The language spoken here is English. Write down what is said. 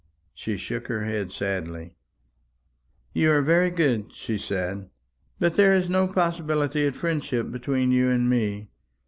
She shook her head sadly. "You are very good," she said; "but there is no possibility of friendship between you and me.